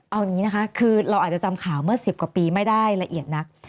เอาอย่างนี้นะคะคือเราอาจจะจำข่าวเมื่อ๑๐กว่าปีไม่ได้ละเอียดนัก